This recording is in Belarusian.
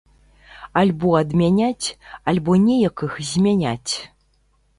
Альбо адмяняць, альбо неяк іх змяняць.